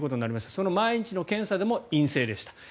その毎日の検査でも陰性でした。